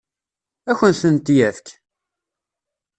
Ad akent-tent-yefk?